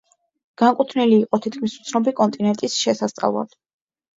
განკუთვნილი იყო თითქმის უცნობი კონტინენტის შესასწავლად.